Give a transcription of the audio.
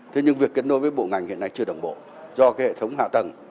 thế nhưng việc kết nối với bộ ngành hiện nay chưa đồng bộ do hệ thống hạ tầng